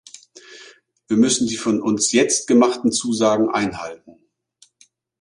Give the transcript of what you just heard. Wir müssen die von uns jetzt gemachten Zusagen einhalten.